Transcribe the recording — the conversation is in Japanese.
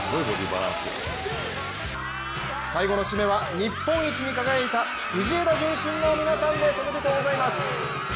最後の締めは、日本一に輝いた藤枝順心の皆さんですおめでとうございます！